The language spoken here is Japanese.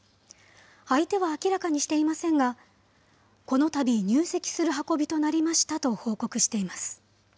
相手は明らかにしていませんが、このたび入籍する運びとなりましたと報告しています。